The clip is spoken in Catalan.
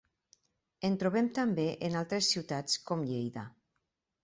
En trobem també en altres ciutats, com Lleida.